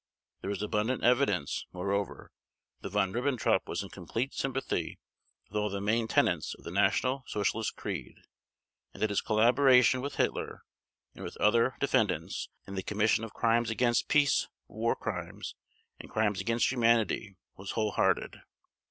There is abundant evidence, moreover, that Von Ribbentrop was in complete sympathy with all the main tenets of the National Socialist creed, and that his collaboration with Hitler and with other defendants in the commission of Crimes against Peace, War Crimes, and Crimes against Humanity was whole hearted.